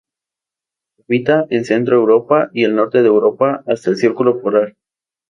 Habita en Centro Europa y el norte de Europa hasta el Círculo polar.